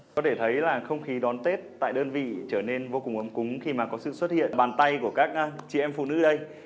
có thể thấy là không khí đón tết tại đơn vị trở nên vô cùng ấm cúng khi mà có sự xuất hiện bàn tay của các chị em phụ nữ đây